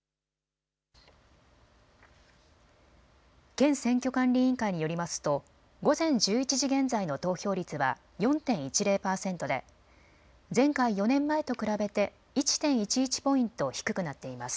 県選挙管理委員会によりますと午前１１時現在の投票率は４．１０％で前回４年前と比べて１．１１ポイント低くなっています。